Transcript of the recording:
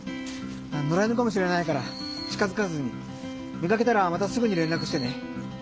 のら犬かもしれないから近づかずに見かけたらまたすぐにれんらくしてね。